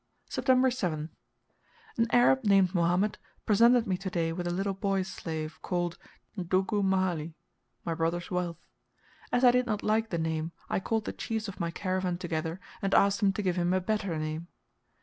September 7th. An Arab named Mohammed presented me to day with a little boy slave, called "Ndugu M'hali" (my brother's wealth). As I did not like the name, I called the chiefs of my caravan together, and asked them to give him a better name.